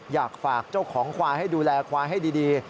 อยากฝากเจ้าของควายให้ดูแลควายให้ดี